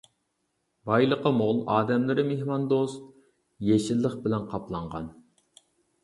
بايلىقى مول، ئادەملىرى مېھماندوست، يېشىللىق بىلەن قاپلانغان.